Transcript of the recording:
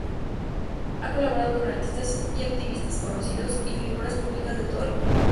Ha colaborado con artistas y activistas conocidos y figuras públicas de todo el mundo.